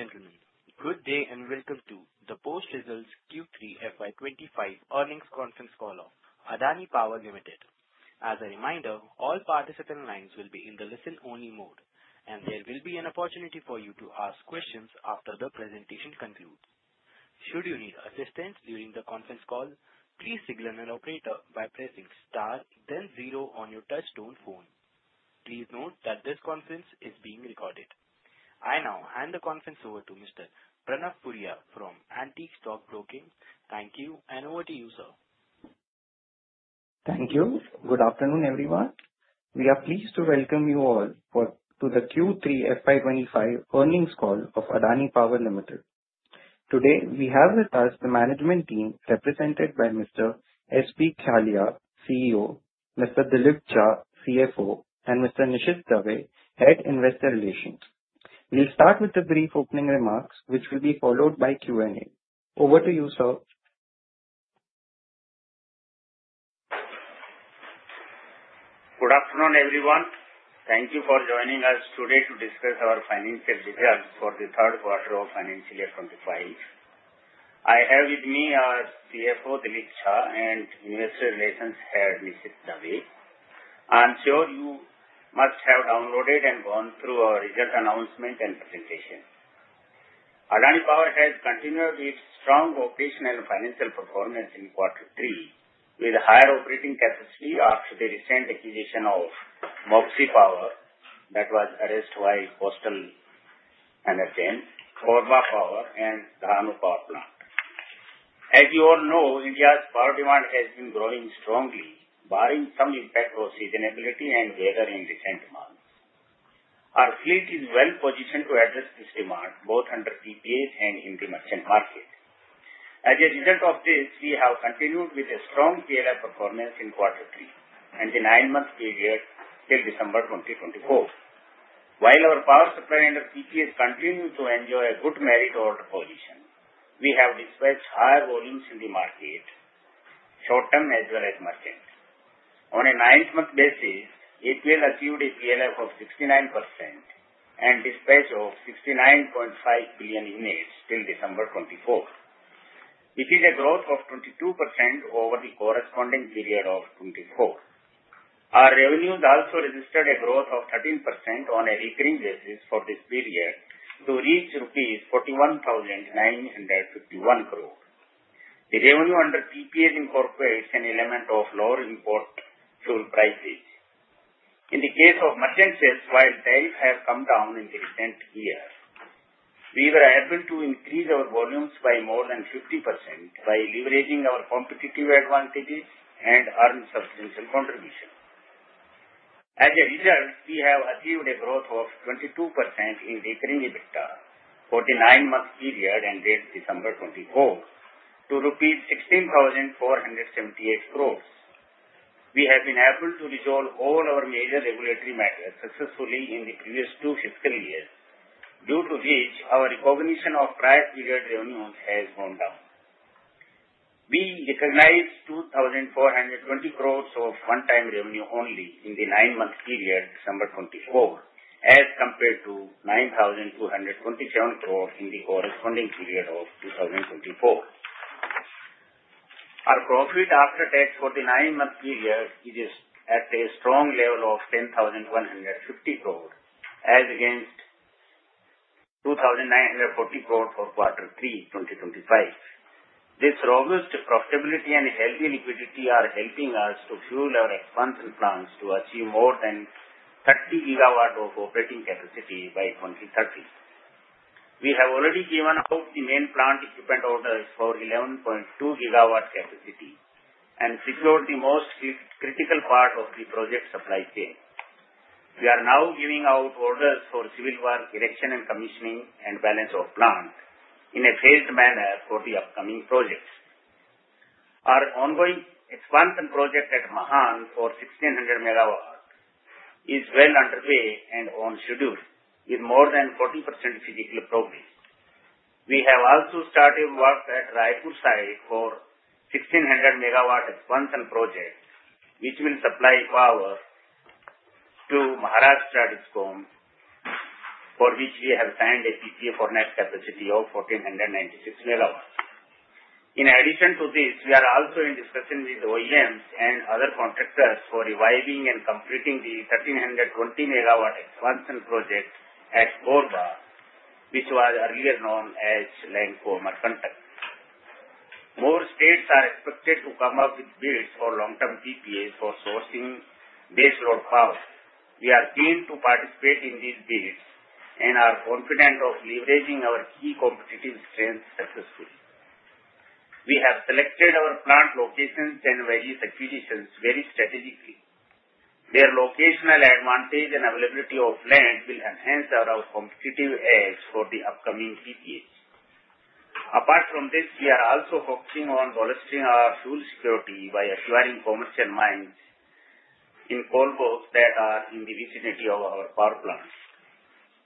Gentlemen, good day and welcome to the Post Results Q3 FY2025 Earnings Conference Call of Adani Power Limited. As a reminder, all participant lines will be in the listen-only mode, and there will be an opportunity for you to ask questions after the presentation concludes. Should you need assistance during the conference call, please signal an operator by pressing star, then zero on your touch-tone phone. Please note that this conference is being recorded. I now hand the conference over to Mr. Pranav Furia from Antique Stock Broking. Thank you, and over to you, sir. Thank you. Good afternoon, everyone. We are pleased to welcome you all to the Q3 FY2025 Earnings Call of Adani Power Limited. Today, we have with us the management team represented by Mr. Shersingh B. Khyalia, CEO, Mr. Dilip Jha, CFO, and Mr. Nishith Dave, Head Investor Relations. We'll start with the brief opening remarks, which will be followed by Q&A. Over to you, sir. Good afternoon, everyone. Thank you for joining us today to discuss our financial results for the third quarter of financial year 2025. I have with me our CFO, Dilip Jha, and Investor Relations Head, Nishith Dave. I'm sure you must have downloaded and gone through our result announcement and presentation. Adani Power has continued its strong operational and financial performance in quarter three, with higher operating capacity after the recent acquisition of Moxie Power that was addressed by Coastal Energen Private Limited, Korba Power, and Dahanu Power Plant. As you all know, India's power demand has been growing strongly, barring some impact of seasonality and weather in recent months. Our fleet is well positioned to address this demand, both under PPAs and in the merchant market. As a result of this, we have continued with a strong PLF performance in quarter three and the nine-month period till December 2024. While our power supply and PPAs continue to enjoy a good merit order position, we have dispatched higher volumes in the market, short-term as well as merchant. On a nine-month basis, APL achieved a PLF of 69% and dispatch of 69.5 billion units till December 2024. It is a growth of 22% over the corresponding period of 2024. Our revenues also registered a growth of 13% on a recurring basis for this period to reach rupees 41,951 crore. The revenue under PPAs incorporates an element of lower import fuel prices. In the case of merchant sales, while tariffs have come down in the recent year, we were able to increase our volumes by more than 50% by leveraging our competitive advantages and earned substantial contributions. As a result, we have achieved a growth of 22% in recurring EBITDA over the nine-month period ended December 2024 to rupees 16,478 crore. We have been able to resolve all our major regulatory matters successfully in the previous two fiscal years, due to which our recognition of prior period revenues has gone down. We recognized 2,420 crores of one-time revenue only in the nine-month period December 2024, as compared to 9,227 crore in the corresponding period of 2024. Our profit after tax for the nine-month period is at a strong level of 10,150 crore, as against 2,940 crore for quarter three 2025. This robust profitability and healthy liquidity are helping us to fuel our expansion plans to achieve more than 30 gigawatt of operating capacity by 2030. We have already given out the main plant equipment orders for 11.2 gigawatt capacity and secured the most critical part of the project supply chain. We are now giving out orders for civil works erection and commissioning and balance of plant in a phased manner for the upcoming projects. Our ongoing expansion project at Mahan for 1,600 megawatts is well underway and on schedule, with more than 40% physical progress. We have also started work at Raipur site for 1,600 megawatts expansion project, which will supply power to Maharashtra DISCOM, for which we have signed a PPA for net capacity of 1,496 megawatts. In addition to this, we are also in discussion with OEMs and other contractors for reviving and completing the 1,320 megawatts expansion project at Korba, which was earlier known as Lanco Amarkantak. More states are expected to come up with bids for long-term PPAs for sourcing base load power. We are keen to participate in these bids and are confident of leveraging our key competitive strengths successfully. We have selected our plant locations and various acquisitions very strategically. Their locational advantage and availability of land will enhance our competitive edge for the upcoming PPAs. Apart from this, we are also focusing on bolstering our fuel security by acquiring commercial mines in coal blocks that are in the vicinity of our power plants.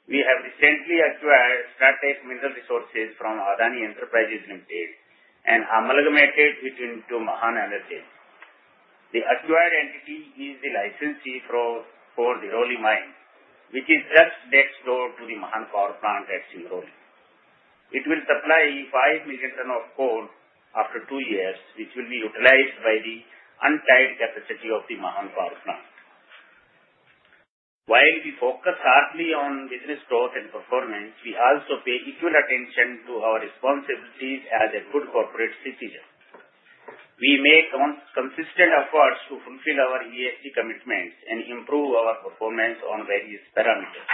We have recently acquired strategic mineral resources from Adani Enterprises Limited and amalgamated it into Mahan Energen. The acquired entity is the licensee for the Rohne mine, which is just next door to the Mahan Power Plant that's in Rohne. It will supply five million tons of coal after two years, which will be utilized by the untied capacity of the Mahan Power Plant. While we focus hard on business growth and performance, we also pay equal attention to our responsibilities as a good corporate citizen. We make consistent efforts to fulfill our ESG commitments and improve our performance on various parameters.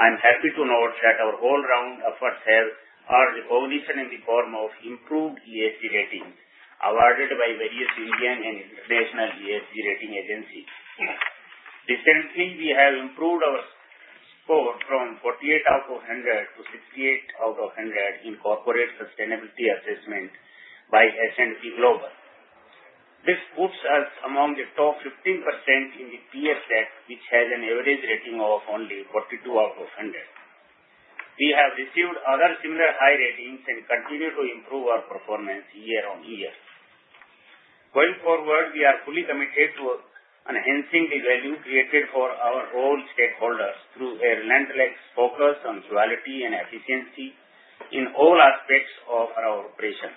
I'm happy to note that our all-round efforts have won recognition in the form of improved ESG ratings awarded by various Indian and international ESG rating agencies. Recently, we have improved our score from 48 out of 100 to 68 out of 100 in Corporate Sustainability Assessment by S&P Global. This puts us among the top 15% in the power sector, which has an average rating of only 42 out of 100. We have received other similar high ratings and continue to improve our performance year-on-year. Going forward, we are fully committed to enhancing the value created for all our stakeholders through a relentless focus on quality and efficiency in all aspects of our operations.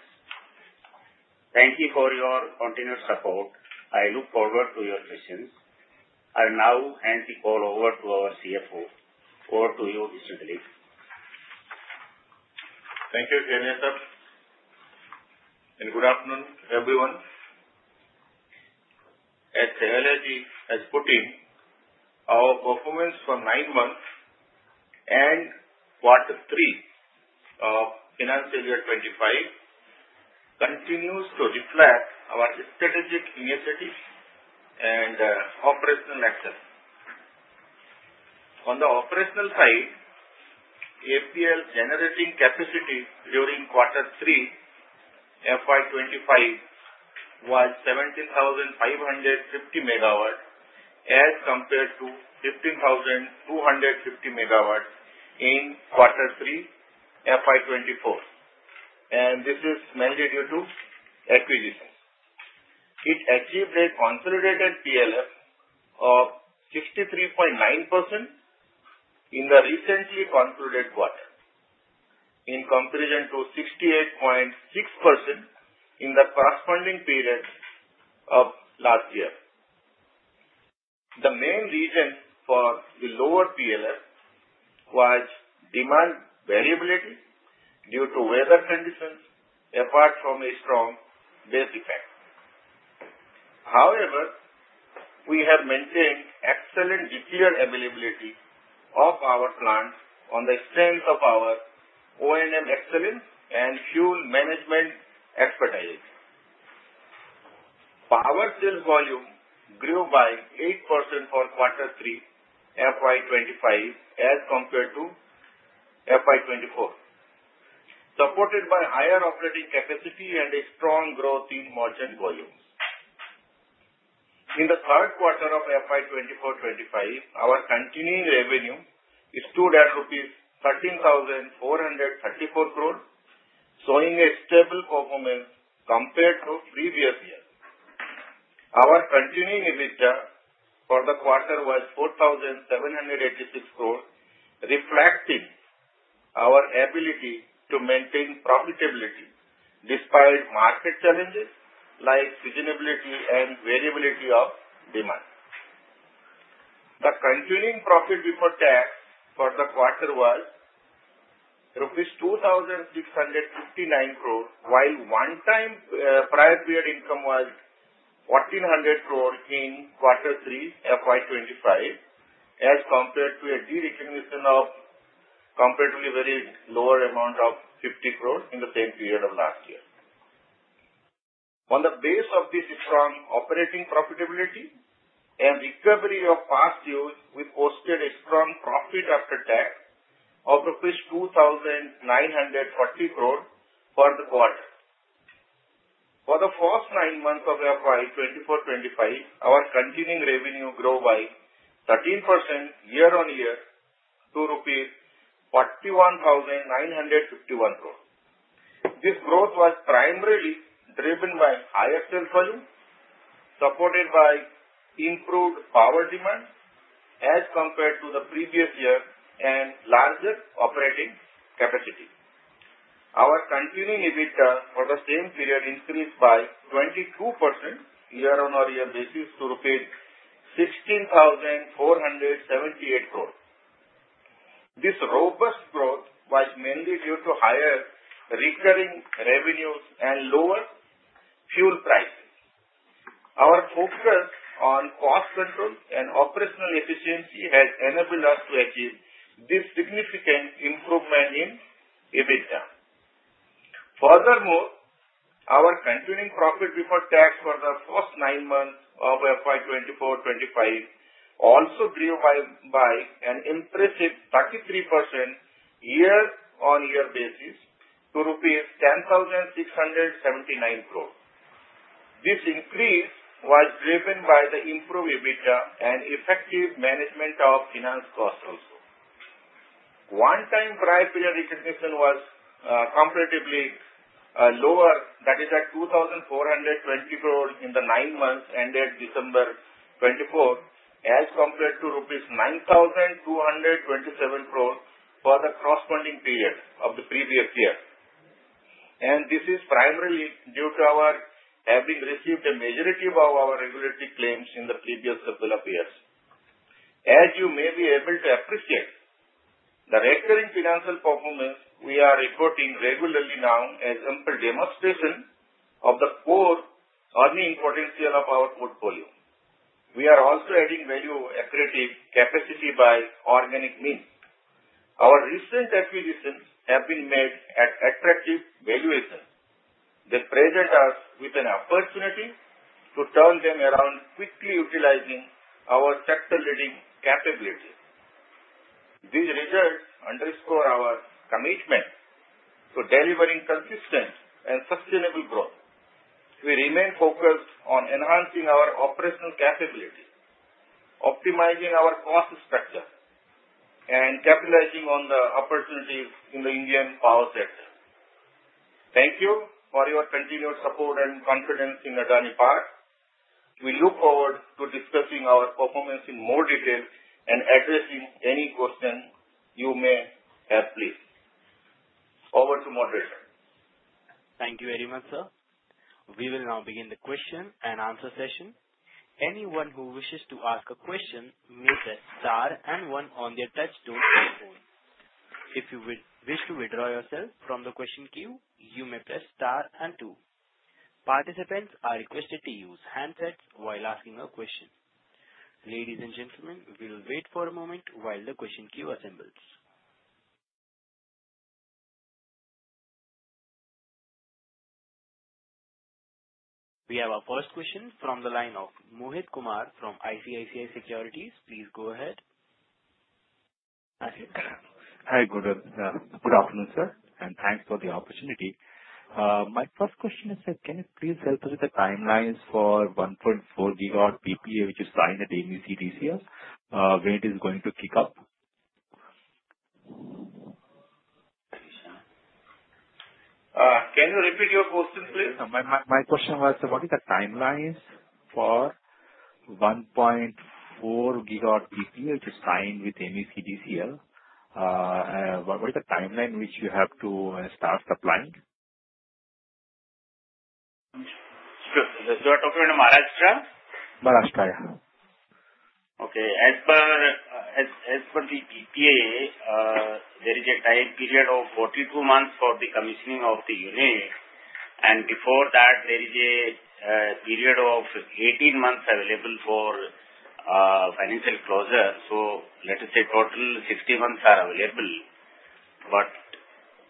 Thank you for your continued support. I look forward to your questions. I now hand the call over to our CFO. Over to you, Mr. Dilip. Thank you, Khyalia sir. Good afternoon, everyone. As Mr. Khyalia has put in, our performance for nine months and quarter three of financial year 2025 continues to reflect our strategic initiatives and operational actions. On the operational side, APL's generating capacity during quarter three FY 2025 was 17,550 megawatt as compared to 15,250 megawatt in quarter three FY 2024, and this is mainly due to acquisitions. It achieved a consolidated PLF of 63.9% in the recently concluded quarter, in comparison to 68.6% in the corresponding period of last year. The main reason for the lower PLF was demand variability due to weather conditions apart from a strong base effect. However, we have maintained excellent unit availability of our plants on the strength of our O&M excellence and fuel management expertise. Power sales volume grew by 8% for quarter three FY2025 as compared to FY2024, supported by higher operating capacity and a strong growth in merchant volumes. In the third quarter of FY2024/2025, our continuing revenue stood at 13,434 crore rupees, showing a stable performance compared to previous year. Our continuing EBITDA for the quarter was 4,786 crore, reflecting our ability to maintain profitability despite market challenges like seasonality and variability of demand. The continuing profit before tax for the quarter was rupees 2,659 crore, while one-time prior period income was 1,400 crore in quarter three FY2025, as compared to a derecognition of comparatively very lower amount of 50 crore in the same period of last year. On the base of this strong operating profitability and recovery of past years, we posted a strong profit after tax of 2,940 crore for the quarter. For the first nine months of FY2024/'2025, our continuing revenue grew by 13% year-on-year to INR 41,951 crore. This growth was primarily driven by higher sales volume, supported by improved power demand as compared to the previous year and larger operating capacity. Our continuing EBITDA for the same period increased by 22% year-on-year basis to rupees 16,478 crore. This robust growth was mainly due to higher recurring revenues and lower fuel prices. Our focus on cost control and operational efficiency has enabled us to achieve this significant improvement in EBITDA. Furthermore, our continuing profit before tax for the first nine months of FY2024/'2025 also grew by an impressive 33% year-on-year basis to rupees 10,679 crore. This increase was driven by the improved EBITDA and effective management of finance costs also. One-time prior period recognition was comparatively lower, that is at 2,420 crore in the nine months ended December 2024, as compared to rupees 9,227 crore for the corresponding period of the previous year, and this is primarily due to our having received the majority of our regulatory claims in the previous couple of years. As you may be able to appreciate, the recurring financial performance we are reporting regularly now is a simple demonstration of the core earning potential of our portfolio. We are also adding value-accretive capacity by organic means. Our recent acquisitions have been made at attractive valuation, which presents us with an opportunity to turn them around quickly, utilizing our sector-leading capabilities. These results underscore our commitment to delivering consistent and sustainable growth. We remain focused on enhancing our operational capability, optimizing our cost structure, and capitalizing on the opportunities in the Indian power sector. Thank you for your continued support and confidence in Adani Power. We look forward to discussing our performance in more detail and addressing any questions you may have, please. Over to moderator. Thank you very much, sir. We will now begin the question and answer session. Anyone who wishes to ask a question may press star and one on their touch-tone keyboard. If you wish to withdraw yourself from the question queue, you may press star and two. Participants are requested to use handsets while asking a question. Ladies and gentlemen, we will wait for a moment while the question queue assembles. We have our first question from the line of Mohit Kumar from ICICI Securities. Please go ahead. Hi, good afternoon, sir, and thanks for the opportunity. My first question is, can you please help us with the timelines for 1.4 gigawatt PPA, which is signed at MSEDCL, when it is going to kick up? Can you repeat your question, please? My question was, what are the timelines for 1.4-gigawatt PPA, which is signed with MSEDCL? What is the timeline which you have to start supplying? You are talking to Maharashtra? Maharashtra, yeah. Okay. As per the PPA, there is a time period of 42 months for the commissioning of the unit, and before that, there is a period of 18 months available for financial closure, so let us say total 60 months are available, but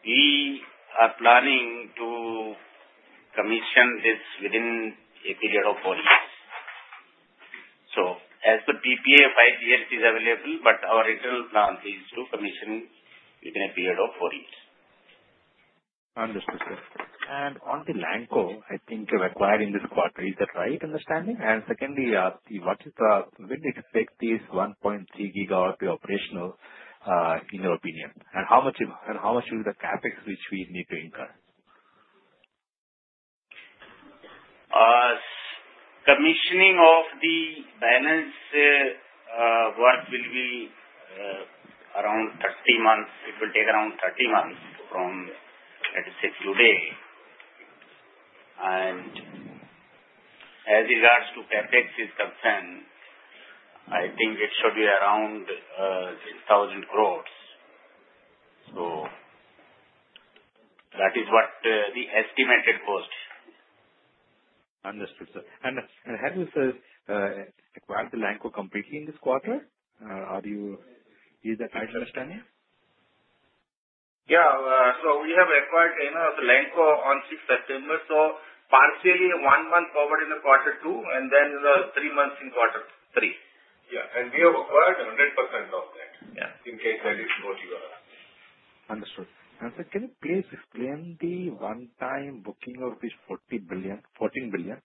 we are planning to commission this within a period of four years, so as per PPA, five years is available, but our internal plan is to commission within a period of four years. Understood, sir. And on the Lanco, I think you've acquired in this quarter. Is that right understanding? And secondly, what is the, when do you expect this 1.3 gigawatt to be operational, in your opinion? And how much will be the CapEx which we need to incur? Commissioning of the balance work will be around 30 months. It will take around 30 months from, let us say, today. And as regards to CapEx is concerned, I think it should be around 10,000 crores. So that is what the estimated cost is. Understood, sir. And have you acquired the Lanco completely in this quarter? Is that right understanding? Yeah, so we have acquired the Lanco on 6th September, so partially one month over in the quarter two and then three months in quarter three. Yeah. And we have acquired 100% of that in case that is what you are asking. Understood. And sir, can you please explain the one-time booking of this 14 billion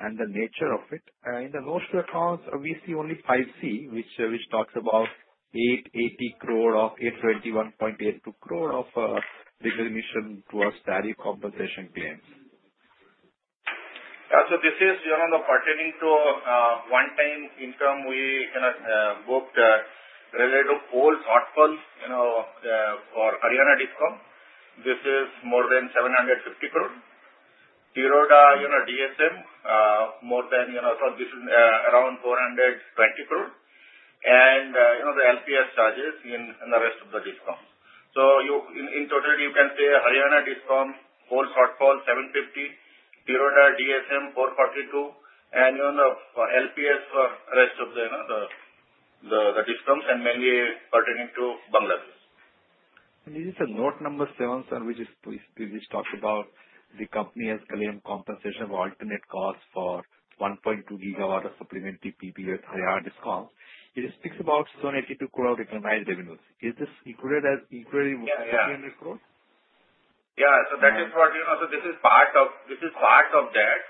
and the nature of it? In the notes to the accounts, we see only 5C, which talks about 880 crore or 821.82 crore of recognition towards tariff compensation claims. So this is pertaining to one-time income we booked related to coal shortfall for Haryana DISCOM. This is more than 750 crore. Tiroda DSM, more than—so this is around 420 crore. And the LPS charges in the rest of the DISCOMs. So in total, you can say Haryana DISCOM, coal shortfall INR 750, Tiroda DSM INR 442, and LPS for the rest of the DISCOMs, and mainly pertaining to Bangladesh. This is a note number seven, sir, which talks about the company has claimed compensation for alternate costs for 1.2 gigawatt of supplementary PPA with Haryana DISCOMs. It speaks about 782 crore recognized revenues. Is this included as equally 1,500 crore? Yeah. So that is what—so this is part of that.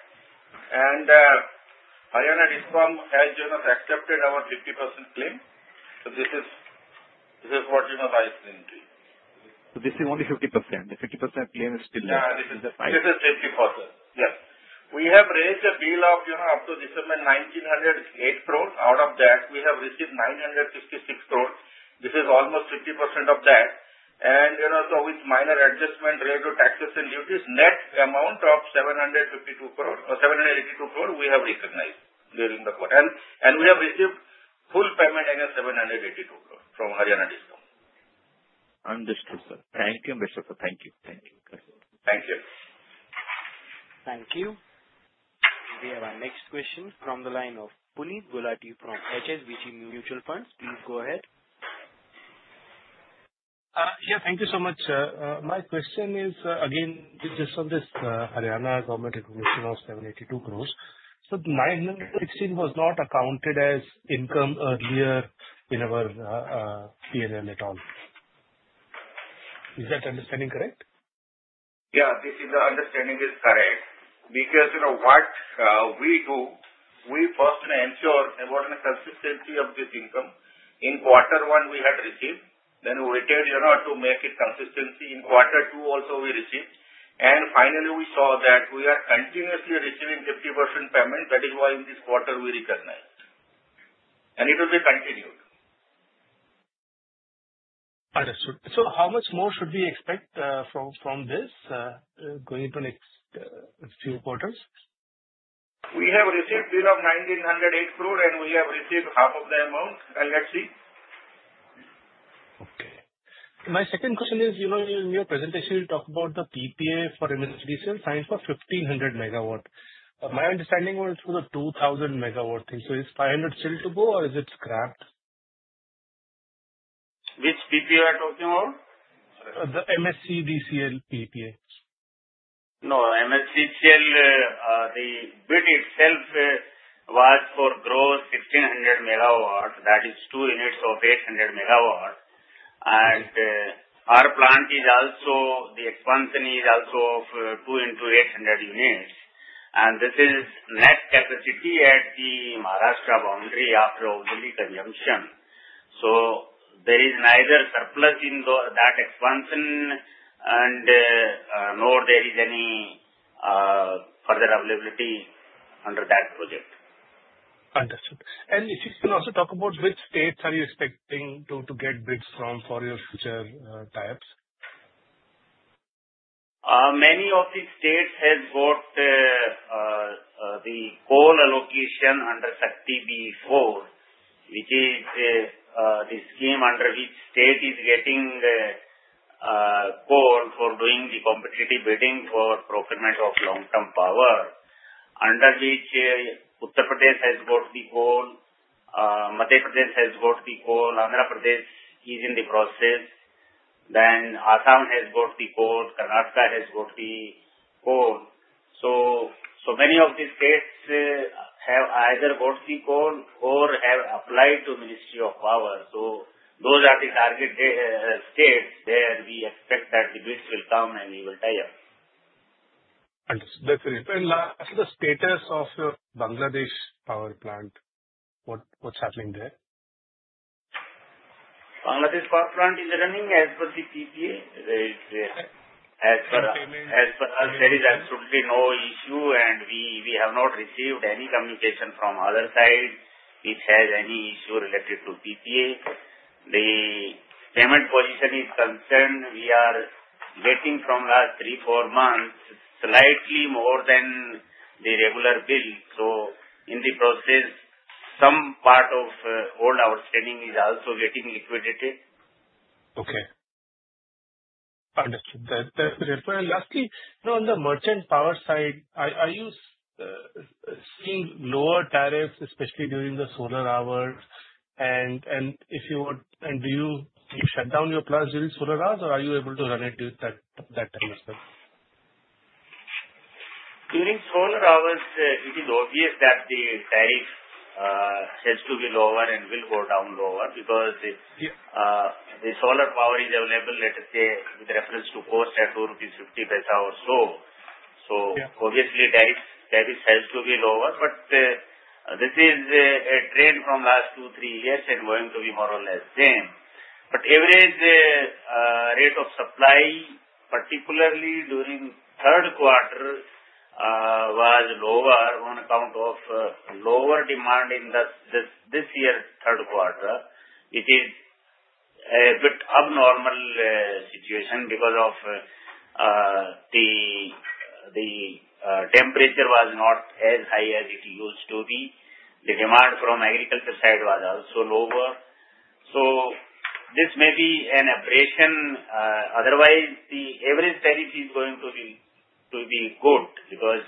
And Haryana DISCOM has accepted our 50% claim. So this is what I've been doing. So this is only 50%. The 50% claim is still there. Yeah. This is 50%. Yes. We have raised the bill of up to this amount, 1,908 crore. Out of that, we have received 956 crore. This is almost 50% of that. And so with minor adjustment related to taxes and duties, net amount of 752 crore or 782 crore we have recognized during the quarter. And we have received full payment against 782 crore from Haryana DISCOM. Understood, sir. Thank you, Mr. sir. Thank you. Thank you. Thank you. Thank you. We have our next question from the line of Puneet Gulati from HSBC Mutual Fund. Please go ahead. Yeah. Thank you so much, sir. My question is, again, you just saw this Haryana government recognition of 782 crore. So 916 was not accounted as income earlier in our P&L at all. Is that understanding correct? Yeah. This is the understanding is correct. Because what we do, we first ensure about the consistency of this income in quarter one we had received. Then we waited to make it consistent in quarter two also we received. And finally, we saw that we are continuously receiving 50% payment. That is why in this quarter we recognized. And it will be continued. Understood. How much more should we expect from this going into the next few quarters? We have received a bill of 1,908 crore, and we have received half of the amount, and let's see. Okay. My second question is, in your presentation, you talked about the PPA for MSEDCL signed for 1,500 megawatt. My understanding was for the 2,000 megawatt thing. So is 500 still to go, or is it scrapped? Which PPA are you talking about? The MSEDCL PPA. No, MSEDCL, the bid itself was for gross 1,600 megawatts. That is two units of 800 megawatts. And our plant is also the expansion is also of 2 into 800 units. And this is net capacity at the Maharashtra boundary after grid injection. So there is neither surplus in that expansion, and nor there is any further availability under that project. Understood. And if you can also talk about which states are you expecting to get bids from for your future tariffs? Many of these states have got the coal allocation under SHAKTI B(iv), which is the scheme under which states are getting coal for doing the competitive bidding for procurement of long-term power. Under which Uttar Pradesh has got the coal, Madhya Pradesh has got the coal, Andhra Pradesh is in the process, then Assam has got the coal, Karnataka has got the coal, so many of these states have either got the coal or have applied to Ministry of Power, so those are the target states where we expect that the bids will come and we will tie up. Understood. That's very good. And lastly, the status of Bangladesh power plant? What's happening there? Bangladesh power plant is running as per the PPA. As per us, there is absolutely no issue, and we have not received any communication from other sides which has any issue related to PPA. The payment position is concerned, we are getting from last three, four months slightly more than the regular bill, so in the process, some part of old outstanding is also getting liquidated. Okay. Understood. That's very good. And lastly, on the merchant power side, are you seeing lower tariffs, especially during the solar hours? And if you would, do you shut down your plants during solar hours, or are you able to run it during that time as well? During solar hours, it is obvious that the tariff has to be lower and will go down lower because the solar power is available, let us say, with reference to cost at 2.50 rupees or so. So obviously, tariffs have to be lower, but this is a trend from last two, three years and going to be more or less the same. But the average rate of supply, particularly during the third quarter, was lower on account of lower demand in this year's third quarter, which is a bit abnormal situation because of the temperature was not as high as it used to be. The demand from agriculture side was also lower. So this may be an aberration. Otherwise, the average tariff is going to be good because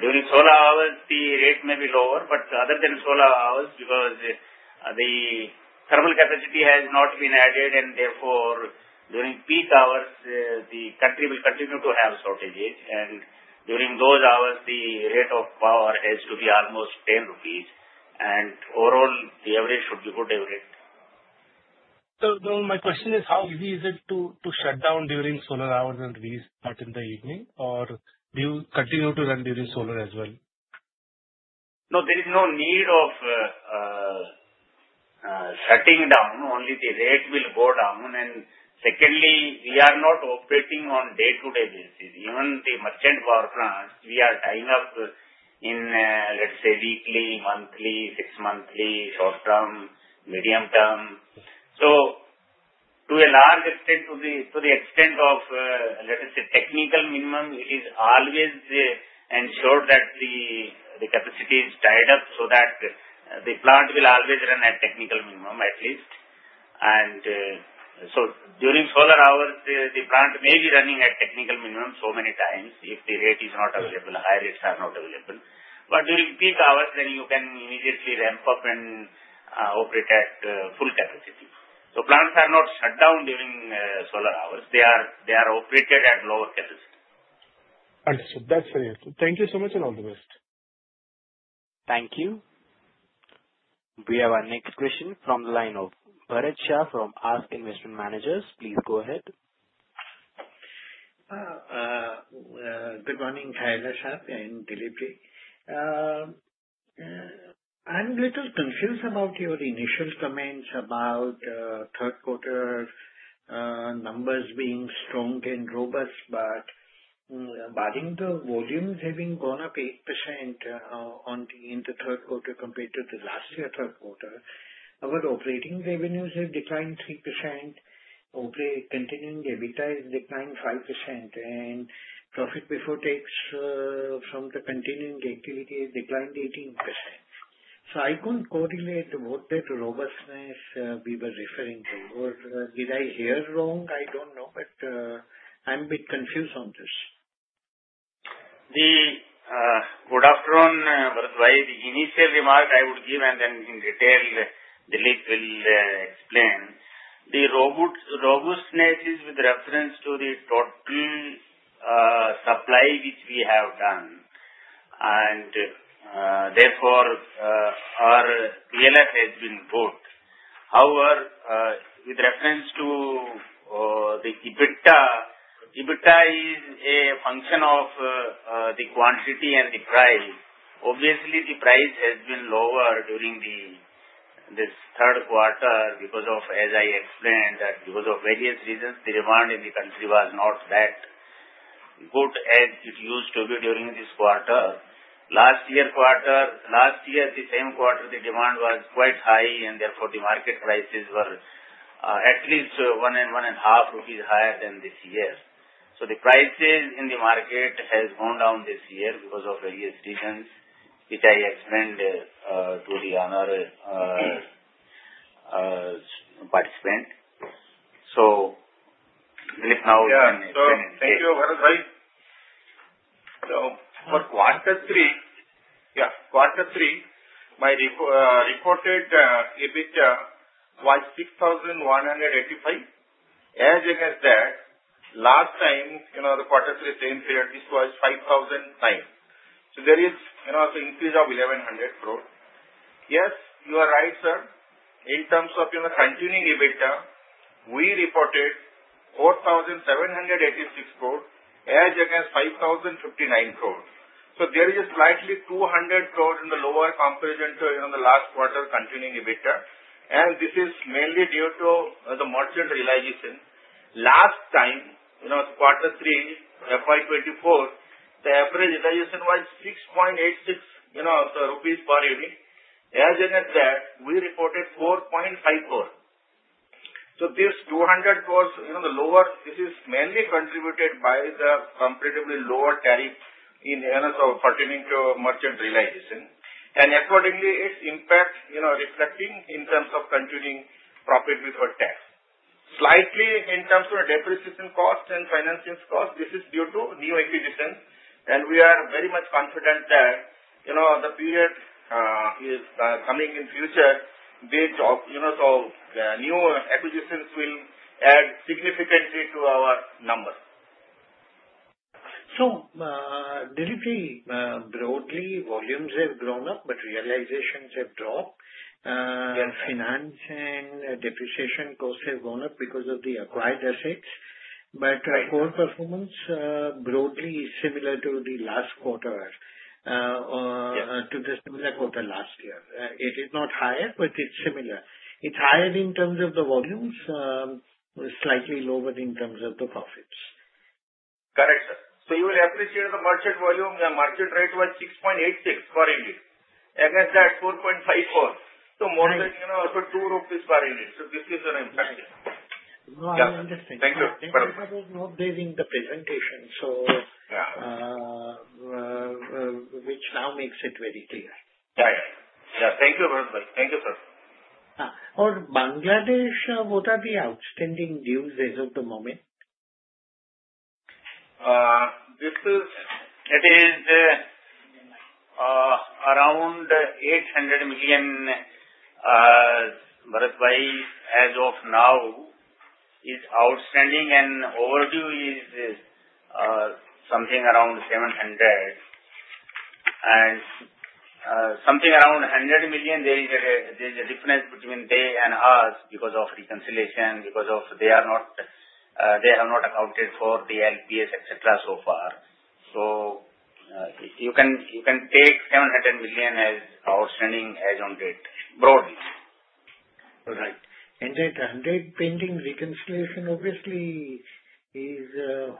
during solar hours, the rate may be lower, but other than solar hours, because the thermal capacity has not been added, and therefore, during peak hours, the country will continue to have shortages. And during those hours, the rate of power has to be almost 10 rupees. And overall, the average should be good, average. So my question is, how easy is it to shut down during solar hours and release part in the evening? Or do you continue to run during solar as well? No, there is no need of shutting down. Only the rate will go down. And secondly, we are not operating on day-to-day basis. Even the merchant power plants, we are tying up in, let us say, weekly, monthly, six-monthly, short-term, medium-term. So to a large extent, to the extent of, let us say, technical minimum, it is always ensured that the capacity is tied up so that the plant will always run at technical minimum at least. And so during solar hours, the plant may be running at technical minimum so many times if the rate is not available. High rates are not available. But during peak hours, then you can immediately ramp up and operate at full capacity. So plants are not shut down during solar hours. They are operated at lower capacity. Understood. That's very good. Thank you so much and all the best. Thank you. We have our next question from the line of Bharat Shah from ASK Investment Managers. Please go ahead. Good morning, Khyalia sir. I'm a little confused about your initial comments about third-quarter numbers being strong and robust, but barring the volumes having gone up 8% in the third quarter compared to the last year's third quarter, our operating revenues have declined 3%, continuing EBITDA has declined 5%, and profit before tax from the continuing activity has declined 18%. So I couldn't correlate what that robustness we were referring to. Did I hear wrong? I don't know, but I'm a bit confused on this. Good afternoon, Bharatbhai. The initial remark I would give, and then in detail, Dilip will explain. The robustness is with reference to the total supply which we have done. And therefore, our PLF has been put. However, with reference to the EBITDA, EBITDA is a function of the quantity and the price. Obviously, the price has been lower during this third quarter because of, as I explained, that because of various reasons, the demand in the country was not that good as it used to be during this quarter. Last year's quarter, last year, the same quarter, the demand was quite high, and therefore, the market prices were at least one and one and a half rupees higher than this year. So the prices in the market have gone down this year because of various reasons, which I explained to the honored participant. So Dilip, now you can explain. Yeah. So thank you, Bharatbhai. So for quarter three, yeah, my reported EBITDA was 6,185 crore. As against that, last time, the quarter three, same period, this was 5,009 crore. So there is an increase of 1,100 crore. Yes, you are right, sir. In terms of continuing EBITDA, we reported 4,786 crore as against 5,059 crore. So there is slightly 200 crore in the lower comparison to the last quarter continuing EBITDA. And this is mainly due to the merchant realization. Last time, quarter three, FY2024, the average realization was 6.86 per unit. As against that, we reported 4.54. So this 200 crore is the lower. This is mainly contributed by the comparatively lower tariff in terms of pertaining to merchant realization. And accordingly, its impact reflecting in terms of continuing profit before tax. Slightly in terms of depreciation cost and financing cost, this is due to new acquisitions. And we are very much confident that the period coming in future, the new acquisitions will add significantly to our number. So Dilip, broadly, volumes have grown up, but realizations have dropped. Financing and depreciation costs have gone up because of the acquired assets. But core performance broadly is similar to the last quarter to the similar quarter last year. It is not higher, but it's similar. It's higher in terms of the volumes, slightly lower in terms of the profits. Correct, sir. So you will appreciate the merchant volume. The merchant rate was 6.86 per unit. Against that, 4.54. So more than 2 rupees per unit. So this is an impact. No, I understand. Thank you. Thank you very much. But it's not there in the presentation, which now makes it very clear. Right. Yeah. Thank you, Bharatbhai. Thank you, sir. Or Bangladesh, what are the outstanding deals as of the moment? It is around INR 800 million, Bharatbhai, as of now is outstanding, and overdue is something around 700. And something around 100 million, there is a difference between they and us because of reconciliation, because they have not accounted for the LPS, etc., so far. You can take 700 million as outstanding as on date, broadly. Right, and that 100 pending reconciliation obviously is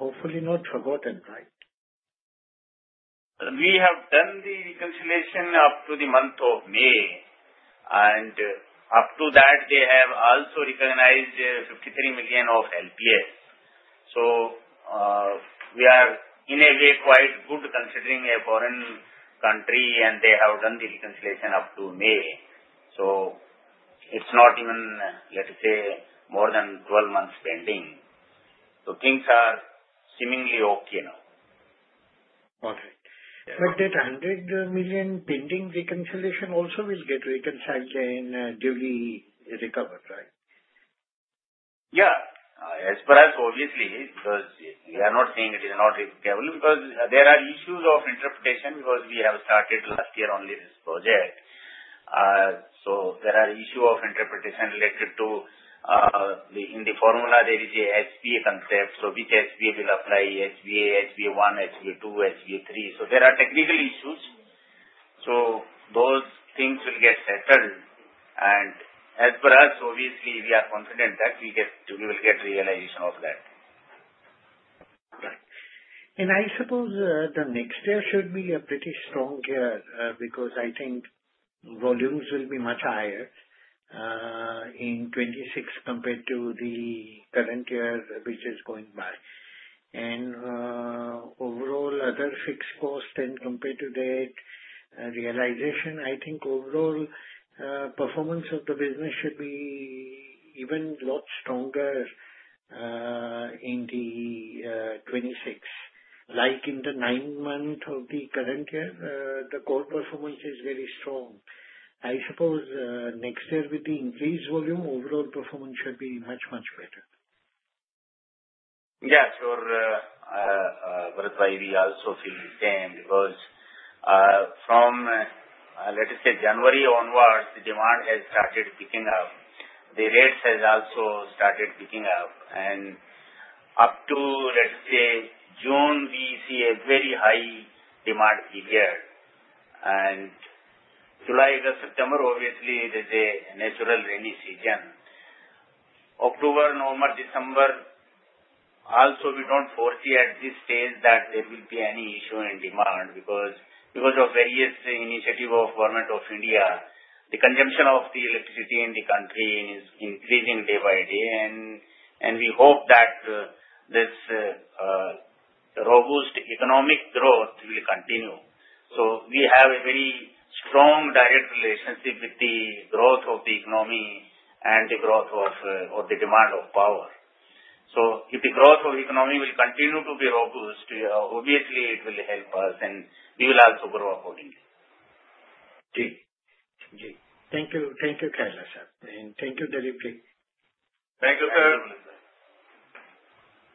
hopefully not forgotten, right? We have done the reconciliation up to the month of May. And up to that, they have also recognized 53 million of LPS. So we are, in a way, quite good considering a foreign country, and they have done the reconciliation up to May. So it's not even, let us say, more than 12 months pending. So things are seemingly okay now. Okay. But that 100 million pending reconciliation also will get reconciled and duly recovered, right? Yeah. As per us, obviously, because we are not saying it is not recoverable, because there are issues of interpretation, because we have started last year only this project. So there are issues of interpretation related to, in the formula, there is an HBA concept. So which HBA will apply? HBA, HBA1, HBA2, HBA3. So there are technical issues. So those things will get settled, and as per us, obviously, we are confident that we will get realization of that. Right. And I suppose the next year should be a pretty strong year because I think volumes will be much higher in 2026 compared to the current year, which is going by. And overall, other fixed costs, compared to that realization, I think overall performance of the business should be even a lot stronger in 2026. Like in the nine months of the current year, the core performance is very strong. I suppose next year with the increased volume, overall performance should be much, much better. Yes. Bharatbhai, we also feel the same because from, let us say, January onwards, the demand has started picking up. The rates have also started picking up. And up to, let us say, June, we see a very high demand period. And July, August, September, obviously, it is a natural rainy season. October, November, December, also, we don't foresee at this stage that there will be any issue in demand because of various initiatives of the Government of India. The consumption of the electricity in the country is increasing day by day. And we hope that this robust economic growth will continue. So we have a very strong direct relationship with the growth of the economy and the growth of the demand of power. So if the growth of the economy will continue to be robust, obviously, it will help us, and we will also grow accordingly. Gee. Thank you. Thank you, Khyalia sir. And thank you, Dilip. Thank you, sir.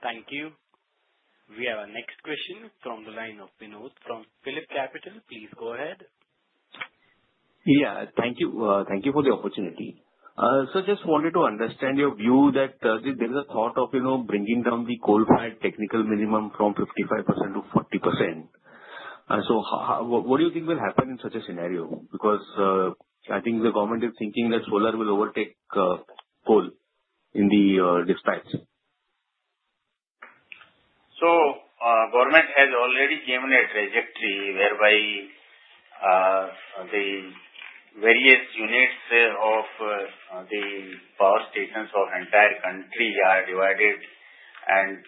Thank you. We have our next question from the line of Vinod from PhillipCapital. Please go ahead. Yeah. Thank you for the opportunity. So just wanted to understand your view that there is a thought of bringing down the coal-fired technical minimum from 55%-40%. So what do you think will happen in such a scenario? Because I think the government is thinking that solar will overtake coal in the dispatch. So the government has already given a trajectory whereby the various units of the power stations of the entire country are divided, and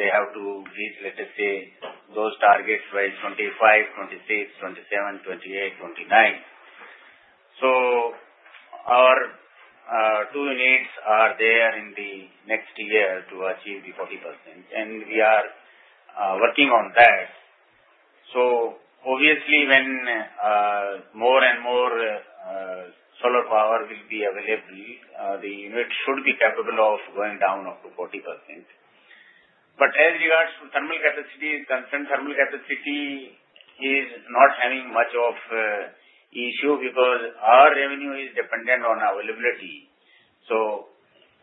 they have to reach, let us say, those targets by 2025, 2026, 2027, 2028, 2029. So our two units are there in the next year to achieve the 40%. And we are working on that. So obviously, when more and more solar power will be available, the unit should be capable of going down up to 40%. But as regards to thermal capacity concerned, thermal capacity is not having much of an issue because our revenue is dependent on availability. So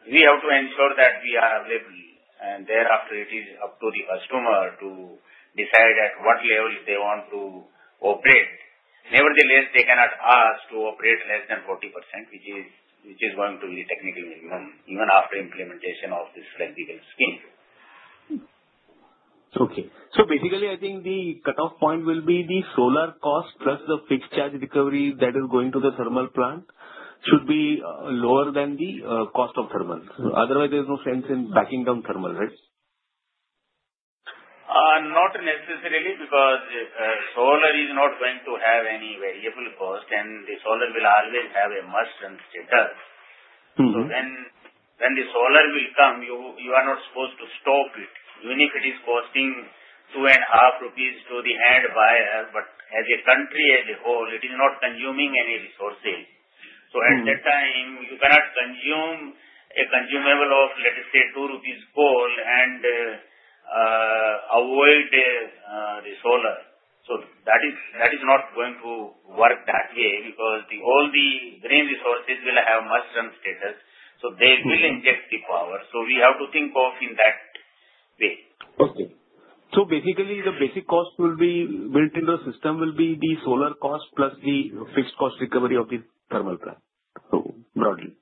we have to ensure that we are available. And thereafter, it is up to the customer to decide at what level they want to operate. Nevertheless, they cannot ask to operate less than 40%, which is going to be the technical minimum even after implementation of this practical scheme. Okay, so basically, I think the cutoff point will be the solar cost plus the fixed charge recovery that is going to the thermal plant should be lower than the cost of thermal. Otherwise, there is no sense in backing down thermal, right? Not necessarily because solar is not going to have any variable cost, and the solar will always have a must-run status. So when the solar will come, you are not supposed to stop it. Even if it is costing 2.50 rupees to the end buyer, but as a country as a whole, it is not consuming any resources. So at that time, you cannot incur a cost of, let us say, 2 rupees coal and avoid the solar. So that is not going to work that way because all the green resources will have must-run status. So they will inject the power. So we have to think of in that way. Okay, so basically, the basic cost will be built into the system the solar cost plus the fixed cost recovery of the thermal plant, broadly.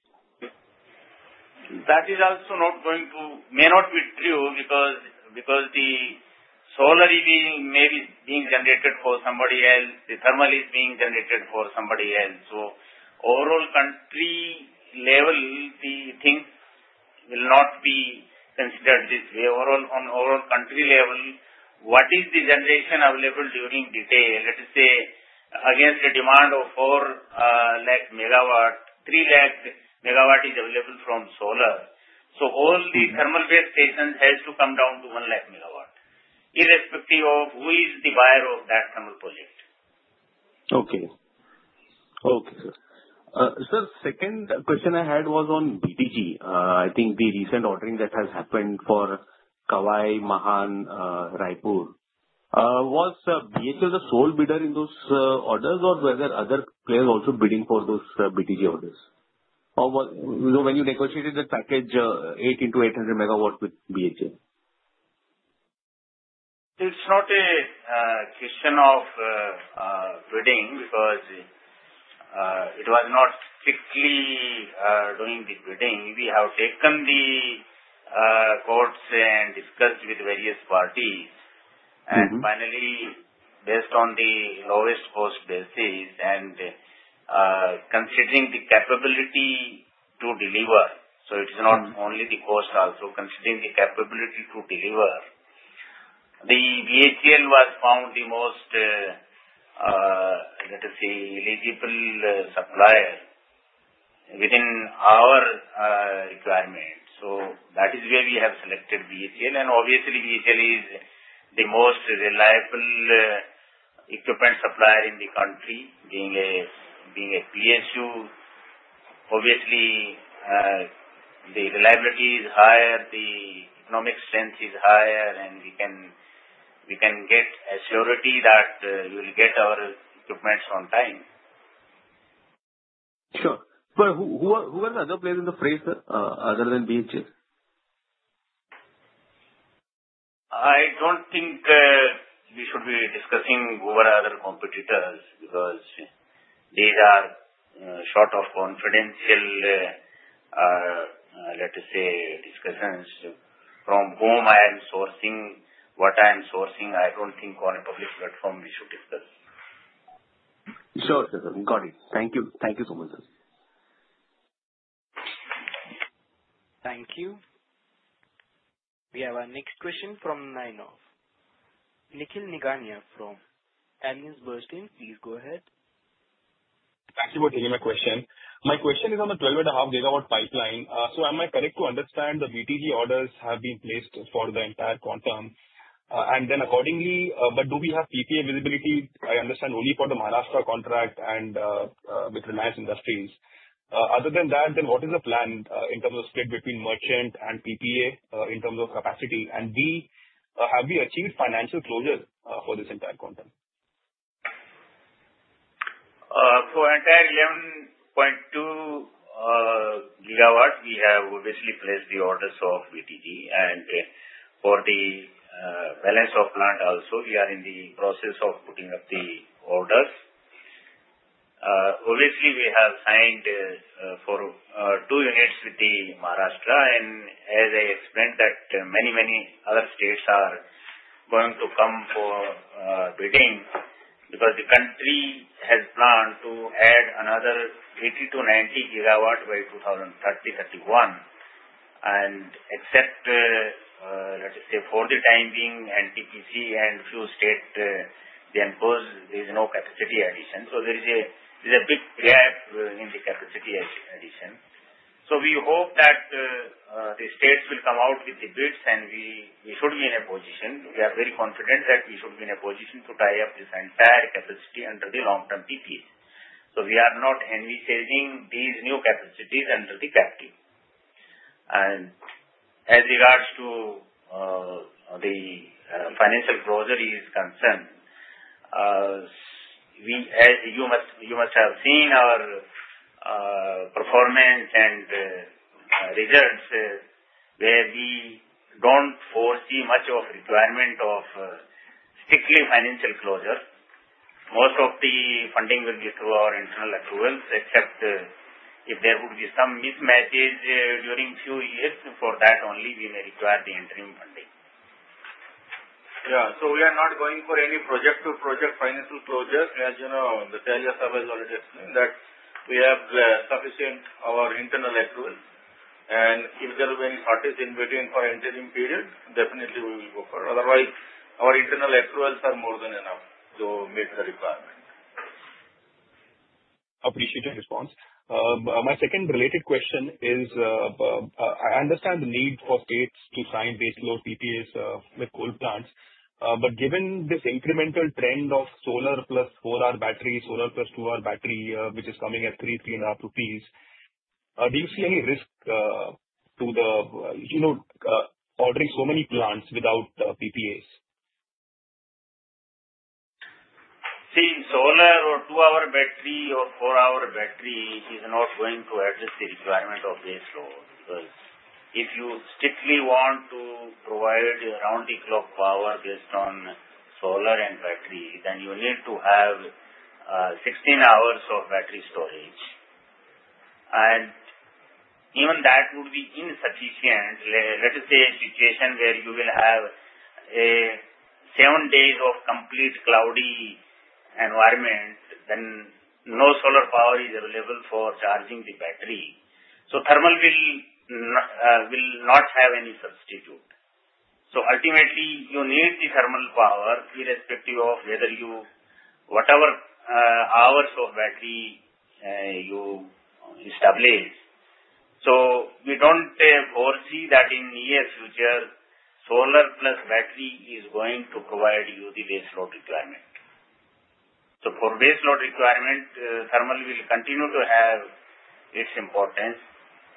That is also not going to. May not be true because the solar may be being generated for somebody else. The thermal is being generated for somebody else. So overall country level, the things will not be considered this way. Overall country level, what is the generation available during the day? Let us say, against a demand of 4 lakh megawatts, 3 lakh megawatts is available from solar. So all the thermal-based stations have to come down to 1 lakh megawatts, irrespective of who is the buyer of that thermal project. Okay, sir. Sir, second question I had was on BTG. I think the recent ordering that has happened for Kawai, Mahan, Raipur was BHEL the sole bidder in those orders, or were there other players also bidding for those BTG orders? Or when you negotiated the package 8 into 800 megawatts with BHEL? It's not a question of bidding because it was not strictly doing the bidding. We have taken the quotes and discussed with various parties. Finally, based on the lowest cost basis and considering the capability to deliver, so it is not only the cost, also considering the capability to deliver, the BHEL was found the most, let us say, eligible supplier within our requirements. That is where we have selected BHEL. Obviously, BHEL is the most reliable equipment supplier in the country, being a PSU. Obviously, the reliability is higher. The economic strength is higher, and we can get assurance that we will get our equipment on time. Sure. But who are the other players in the fray, sir, other than BHEL? I don't think we should be discussing who are other competitors because these are sort of confidential, let us say, discussions from whom I am sourcing, what I am sourcing. I don't think on a public platform we should discuss. Sure, sir. Got it. Thank you. Thank you so much, sir. Thank you. We have our next question from Nikhil Nigania from AllianceBernstein, please go ahead. Thank you for taking my question. My question is on the 12.5 gigawatt pipeline. So am I correct to understand the BTG orders have been placed for the entire quantum? And then accordingly, but do we have PPA visibility? I understand only for the Maharashtra contract and with Reliance Industries. Other than that, then what is the plan in terms of split between merchant and PPA in terms of capacity? And B, have we achieved financial closure for this entire quantum? For the entire 11.2 gigawatts, we have obviously placed the orders of BTG. And for the Balance of Plant also, we are in the process of putting up the orders. Obviously, we have signed for two units with the Maharashtra. And as I explained, that many, many other states are going to come for bidding because the country has planned to add another 80-90 gigawatts by 2030-2031. And except, let us say, for the time being, NTPC and a few states, there is no capacity addition. So there is a big gap in the capacity addition. So we hope that the states will come out with the bids, and we should be in a position. We are very confident that we should be in a position to tie up this entire capacity under the long-term PPA. So we are not envisaging these new capacities under the captive. And as regards to the financial closure is concerned, as you must have seen our performance and results, where we don't foresee much of requirement of strictly financial closure. Most of the funding will be through our internal accruals, except if there would be some mismatches during a few years. For that only, we may require the interim funding. Yeah. So we are not going for any project-to-project financial closure. As you know, Nishith Dave already explained that we have sufficient our internal approvals. And if there will be any shortage in between for interim period, definitely we will go for it. Otherwise, our internal approvals are more than enough to meet the requirement. Appreciate your response. My second related question is, I understand the need for states to sign base load PPAs with coal plants. But given this incremental trend of solar plus 4-hour battery, solar plus 2-hour battery, which is coming at 3, 3.50 rupees, do you see any risk to the ordering so many plants without PPAs? See, solar or two-hour battery or four-hour battery is not going to address the requirement of base load. Because if you strictly want to provide round-the-clock power based on solar and battery, then you need to have 16 hours of battery storage. And even that would be insufficient. Let us say a situation where you will have seven days of complete cloudy environment, then no solar power is available for charging the battery. So thermal will not have any substitute. So ultimately, you need the thermal power, irrespective of whatever hours of battery you establish. So we don't foresee that in the near future, solar plus battery is going to provide you the base load requirement. So for base load requirement, thermal will continue to have its importance,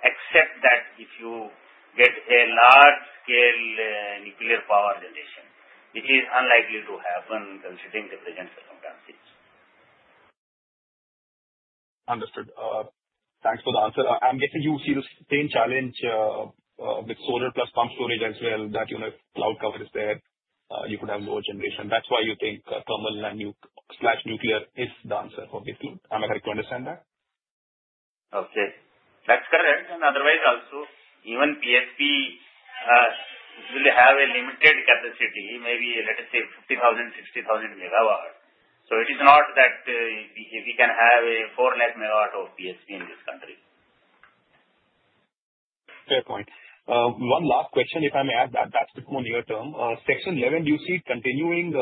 except that if you get a large-scale nuclear power generation, which is unlikely to happen considering the present circumstances. Understood. Thanks for the answer. I'm guessing you see the same challenge with solar plus pump storage as well, that if cloud cover is there, you could have lower generation. That's why you think thermal and/or nuclear is the answer, obviously. Am I correct to understand that? Okay. That's correct. And otherwise, also, even PSP will have a limited capacity, maybe, let us say, 50,000-60,000 megawatts. So it is not that we can have a 4 lakh megawatts of PSP in this country. Fair point. One last question, if I may add, that's a bit more near-term. Section 11, do you see it continuing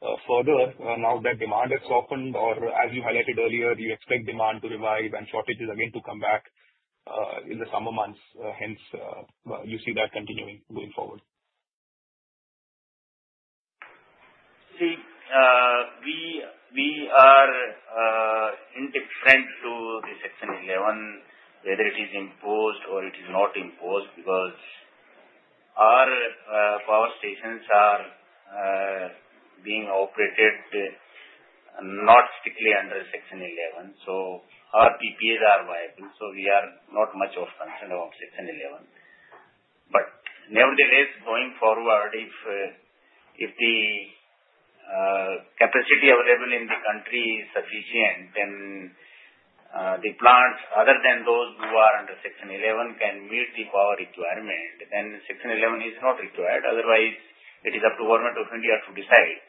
further now that demand has softened? Or as you highlighted earlier, you expect demand to revive and shortages again to come back in the summer months. Hence, you see that continuing going forward? See, we are indifferent to the Section 11, whether it is imposed or it is not imposed, because our power stations are being operated not strictly under Section 11. So our PPAs are viable. So we are not much of concern about Section 11. But nevertheless, going forward, if the capacity available in the country is sufficient, then the plants, other than those who are under Section 11, can meet the power requirement, then Section 11 is not required. Otherwise, it is up to Government of India to decide.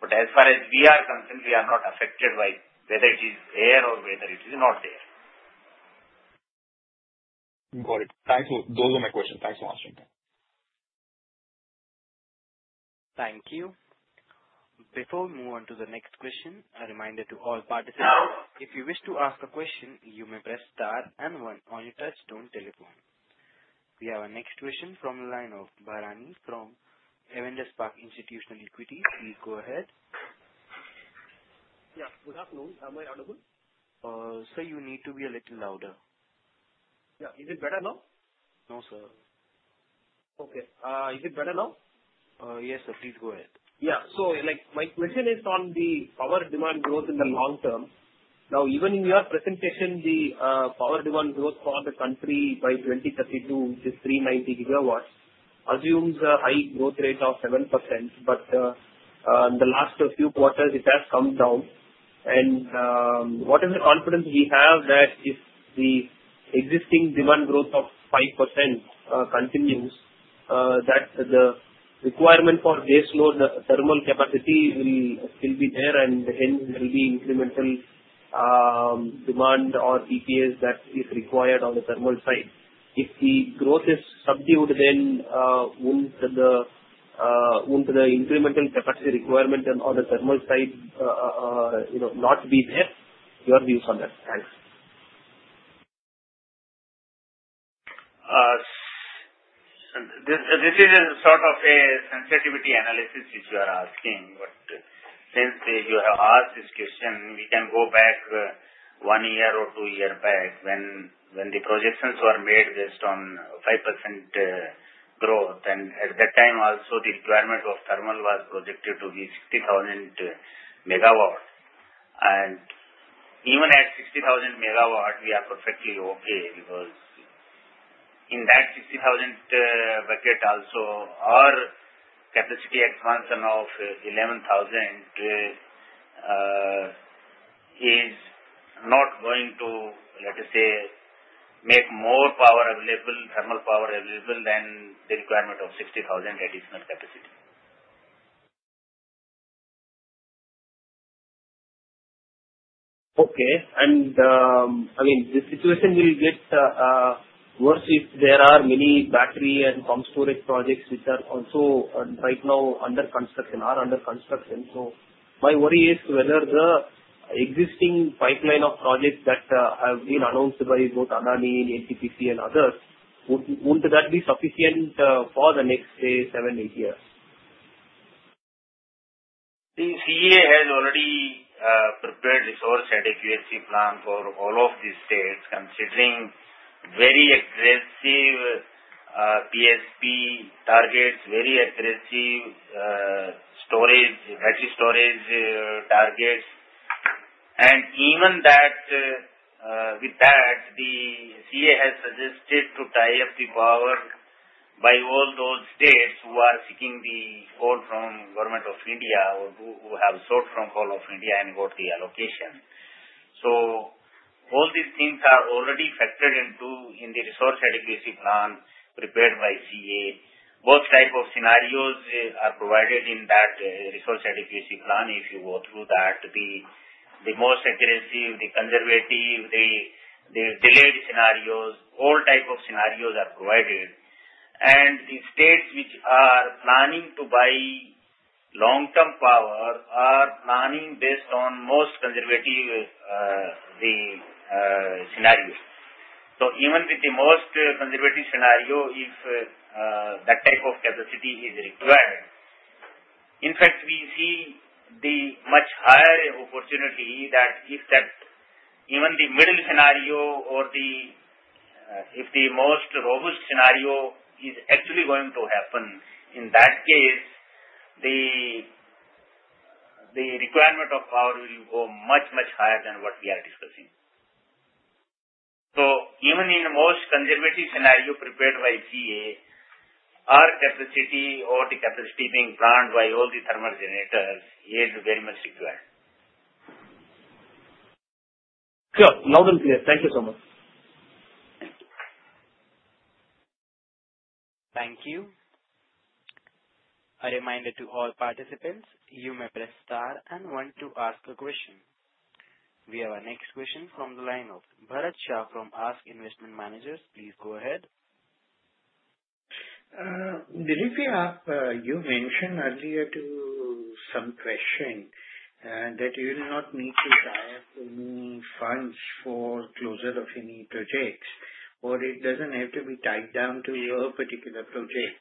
But as far as we are concerned, we are not affected by whether it is there or whether it is not there. Got it. Thank you. Those were my questions. Thanks for answering them. Thank you. Before we move on to the next question, a reminder to all participants, if you wish to ask a question, you may press star and one on your touch-tone telephone. We have our next question from the line of Bhayani from Avendus Spark Institutional Equity. Please go ahead. Yeah. Good afternoon. Am I audible? Sir, you need to be a little louder. Yeah. Is it better now? No, sir. Okay. Is it better now? Yes, sir. Please go ahead. Yeah. So my question is on the power demand growth in the long term. Now, even in your presentation, the power demand growth for the country by 2032, which is 390 gigawatts, assumes a high growth rate of 7%. But in the last few quarters, it has come down. And what is the confidence we have that if the existing demand growth of 5% continues, that the requirement for base load thermal capacity will still be there and hence there will be incremental demand or PPAs that is required on the thermal side? If the growth is subdued, then wouldn't the incremental capacity requirement on the thermal side not be there? Your views on that. Thanks. This is sort of a sensitivity analysis which you are asking. But since you have asked this question, we can go back one year or two years back when the projections were made based on 5% growth. And at that time, also, the requirement of thermal was projected to be 60,000 megawatts. And even at 60,000 megawatts, we are perfectly okay because in that 60,000 bucket, also, our capacity expansion of 11,000 is not going to, let us say, make more power available, thermal power available than the requirement of 60,000 additional capacity. Okay. And I mean, the situation will get worse if there are many battery and pumped storage projects which are also right now under construction. So my worry is whether the existing pipeline of projects that have been announced by both Adani, NTPC, and others wouldn't that be sufficient for the next seven, eight years? See, CEA has already prepared its own strategic USC plan for all of these states, considering very aggressive PSP targets, very aggressive battery storage targets, and even with that, the CEA has suggested to tie up the power by all those states who are seeking the coal from Government of India or who have sought from all of India and got the allocation, so all these things are already factored into the Resource Adequacy Plan prepared by CEA. Both types of scenarios are provided in that Resource Adequacy Plan if you go through that. The most aggressive, the conservative, the delayed scenarios, all types of scenarios are provided, and the states which are planning to buy long-term power are planning based on most conservative scenarios. So even with the most conservative scenario, if that type of capacity is required, in fact, we see the much higher opportunity that if that even the middle scenario or if the most robust scenario is actually going to happen, in that case, the requirement of power will go much, much higher than what we are discussing. So even in the most conservative scenario prepared by CEA, our capacity or the capacity being planned by all the thermal generators is very much required. Sure. Loud and clear. Thank you so much. Thank you. A reminder to all participants, you may press star and one to ask a question. We have our next question from the line of Bharat Shah from ASK Investment Managers. Please go ahead. Jha, you mentioned earlier to some question that you will not need to tie up any funds for closure of any projects, or it doesn't have to be tied down to your particular project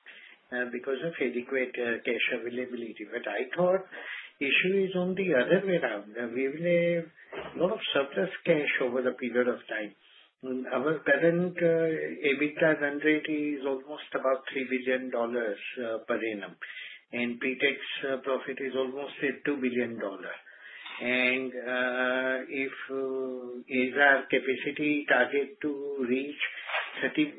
because of adequate cash availability. But I thought the issue is on the other way around. We will have a lot of surplus cash over a period of time. Our current EBITDA run rate is almost about $3 billion per annum. And PAT is almost $2 billion. And if Adani's capacity target to reach 30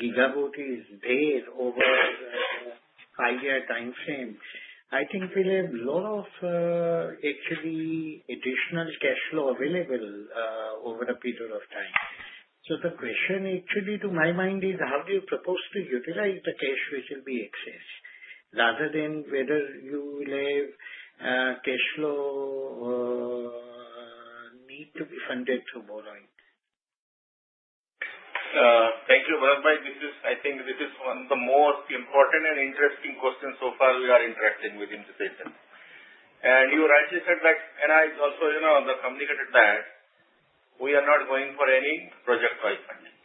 gigawatts is there over a five-year time frame, I think we'll have a lot of actually additional cash flow available over a period of time. So the question actually to my mind is, how do you propose to utilize the cash which will be excess rather than whether you will have cash flow need to be funded through borrowing? Thank you. I think this is one of the most important and interesting questions so far we are interacting with in this session. And you rightly said that, and I also communicated that we are not going for any project-wise funding.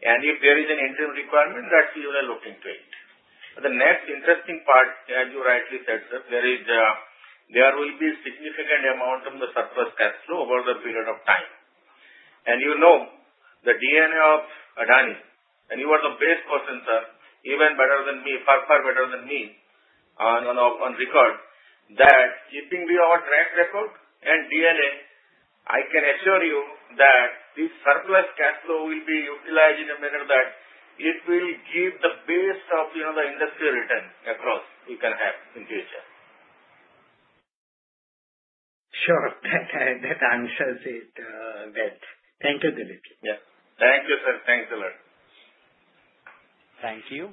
And if there is an interim requirement, that we will look into it. The next interesting part, as you rightly said, sir, there will be a significant amount of the surplus cash flow over the period of time. And you know the DNA of Adani, and you are the best person, sir, even better than me, far, far better than me on record, that keeping our track record and DNA, I can assure you that this surplus cash flow will be utilized in a manner that it will give the best of the industry return across we can have in the future. Sure. That answers it well. Thank you, Dilip. Yeah. Thank you, sir. Thanks a lot. Thank you.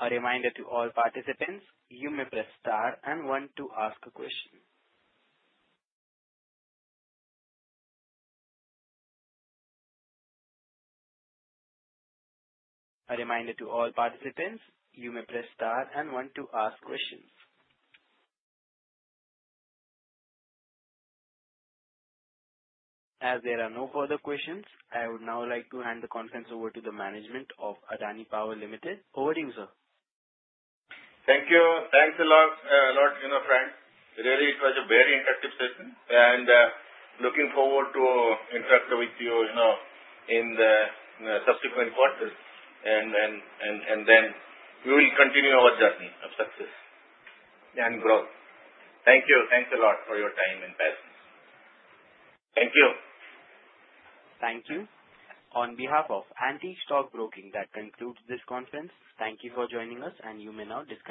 A reminder to all participants, you may press star and one to ask a question. A reminder to all participants, you may press star and one to ask questions. As there are no further questions, I would now like to hand the conference over to the management of Adani Power Limited. Over to you, sir. Thank you. Thanks a lot, friend. Really, it was a very interactive session. And looking forward to interacting with you in the subsequent quarters. And then we will continue our journey of success and growth. Thank you. Thanks a lot for your time and patience. Thank you. Thank you. On behalf of Antique Stock Broking, that concludes this conference. Thank you for joining us, and you may now disconnect.